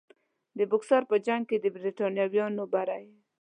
د بوکسر په جنګ کې د برټانویانو بری.